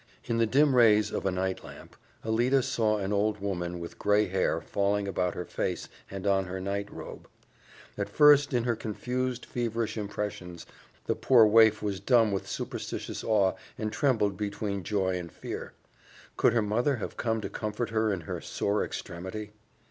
In the dim rays of a night lamp, Alida saw an old woman with gray hair falling about her face and on her night robe. At first, in her confused, feverish impressions, the poor waif was dumb with superstitious awe, and trembled between joy and fear. Could her mother have come to comfort her in her sore extremity?